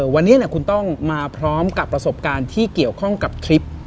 วันนี้คุณต้องมาพร้อมกับประสบการณ์ที่เกี่ยวข้องกับทริป